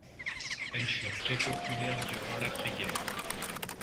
Elles furent très populaires durant l'après-guerre.